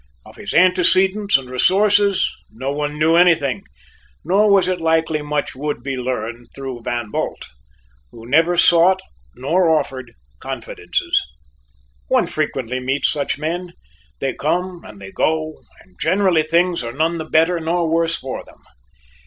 Of his antecedents and resources, no one knew anything, nor was it likely much would be learned through Van Bult, who never sought nor offered confidences. One frequently meets such men. They come and they go, and generally things are none the better nor worse for them.